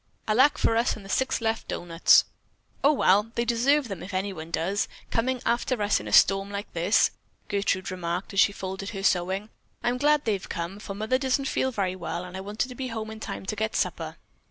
Alak for us and the six left doughnuts." "Oh, well, they deserve them if anyone does, coming after us in a storm like this," Gertrude remarked as she folded her sewing. "I'm glad they have come, for Mother doesn't feel very well and I wanted to be home in time to get supper."